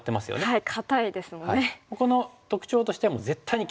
はい。